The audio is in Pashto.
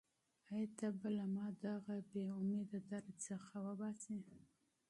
ایا ته به ما له دغه بېامیده درد څخه وباسې؟